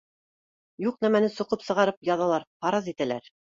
Юҡ нәмәне соҡоп сығарып яҙалар, фараз итәләр